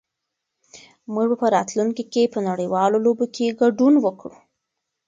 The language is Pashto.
موږ به په راتلونکي کې په نړيوالو لوبو کې ګډون وکړو.